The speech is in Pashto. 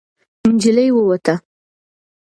نجلۍ ووته.